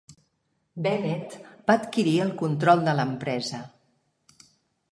Bennet va adquirir el control de l'empresa.